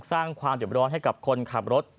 สร้างความเด็บร้อนให้กับคนขับรถ